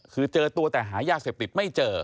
คือเจอตัวแต่หายาเสพติดไม่เจอ